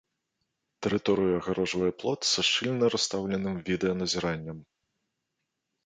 Тэрыторыю агароджвае плот са шчыльна расстаўленым відэаназіраннем.